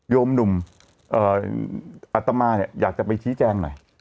โยมหนุ่มอัตมาเนี่ยอยากจะไปชี้แจงหน่อย